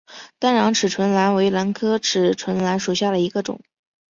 单囊齿唇兰为兰科齿唇兰属下的一个种。